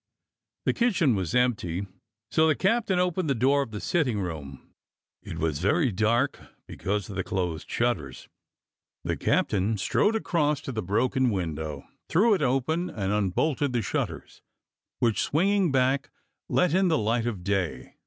The kitchen was empty, so the captain opened the door of the sitting room ; it was very dark because of the closed shutters. The captain strode across to the broken window, threw it open, and unbolted the shutters, which, swing ing back, let in the light of day.